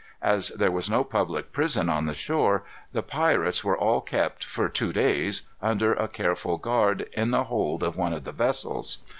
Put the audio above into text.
As there was no public prison on the shore, the pirates were all kept, for two days, under a careful guard, in the hold of one of the vessels.